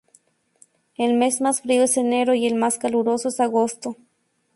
El mes más frío es enero y el más caluroso es agosto.